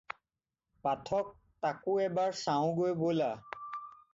পাঠক! তাকো এবাৰ চাওঁগৈ ব'লা।